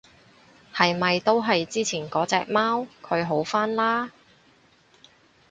係咪都係之前嗰隻貓？佢好返嘞？